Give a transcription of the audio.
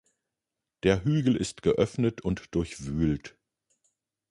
Der Hügel ist geöffnet und durchwühlt.